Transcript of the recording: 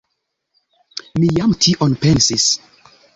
Mi jam tion pensis.